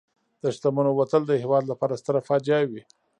د شتمنو وتل د هېواد لپاره ستره فاجعه وي.